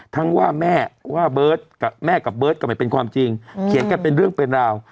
ทั้งว่าแม่กับเบิร์ตก็ไม่เป็นความจริงเขียนกันเป็นเรื่องเป็นราว